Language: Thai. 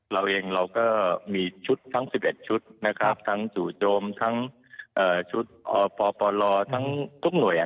เราเองเราก็มีชุดทั้ง๑๑ชุดนะครับทั้งจู่โจมทั้งชุดปปลทั้งทุกหน่วย